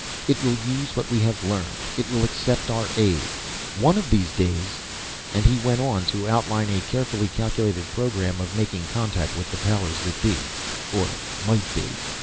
It will use what we have learned. It will accept our aid. One of these days " And he went on to outline a carefully calculated program of making contact with the powers that be, or might be.